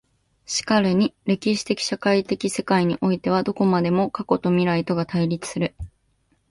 然るに歴史的社会的世界においてはどこまでも過去と未来とが対立する。